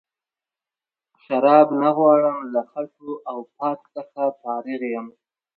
شراب نه غواړم له خټو او پاک څخه فارغ یم.